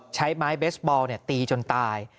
ใช้ไม้เบสบอลตีจนตาย